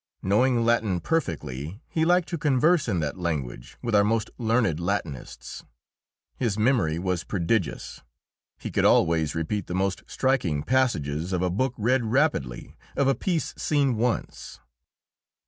Knowing Latin perfectly, he liked to converse in that language with our most learned Latinists. His memory was prodigious; he could always repeat the most striking passages of a book read rapidly, of a piece seen once.